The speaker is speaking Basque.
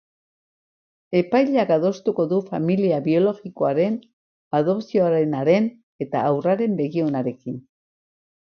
Epaileak adostuko du familia biologikoaren, adopzioarenaren eta haurraren begi onarekin.